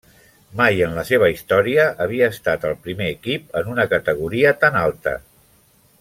Mai en la seva història havia estat el primer equip en una categoria tan alta.